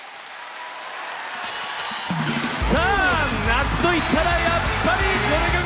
夏といったらやっぱり、この曲。